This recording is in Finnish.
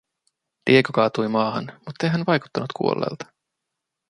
Diego kaatui maahan, muttei hän vaikuttanut kuolleelta.